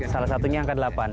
salah satunya angka delapan